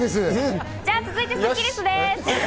続いてはスッキりすです。